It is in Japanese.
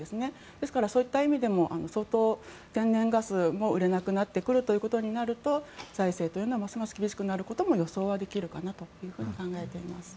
ですから、そういった意味でも相当、天然ガスも売れなくなってくるということになると財政というのはますます厳しくなることも予想できるかなと考えています。